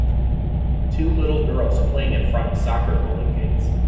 Two little girls playing in front of soccer goalie gates.